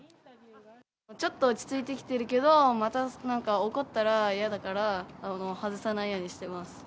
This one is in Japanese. ちょっと落ち着いてきてるけど、またなんか起こったらやだから、外さないようにしてます。